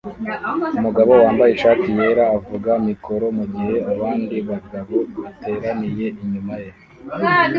Umugabo wambaye ishati yera avuga mikoro mugihe abandi bagabo bateraniye inyuma ye